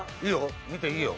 いいよ。